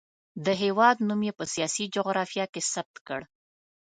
د هېواد نوم یې په سیاسي جغرافیه کې ثبت کړ.